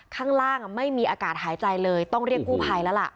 ข้างล่างไม่มีอากาศหายใจเลยต้องเรียกกู้ภัยแล้วล่ะ